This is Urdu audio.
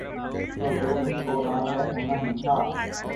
سو جو کچھ ہورہاہے ہونا ہی تھا۔